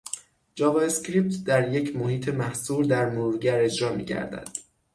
جاواسکریپت در یک محیط محصور در مرورگر اجرا میگردد